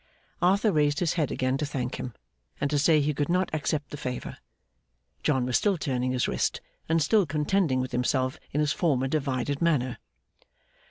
Arthur raised his head again to thank him, and to say he could not accept the favour. John was still turning his wrist, and still contending with himself in his former divided manner.